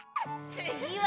つぎは！